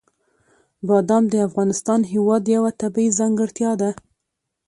بادام د افغانستان هېواد یوه طبیعي ځانګړتیا ده.